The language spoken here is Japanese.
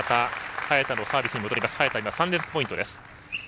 早田、今、３連続ポイントです。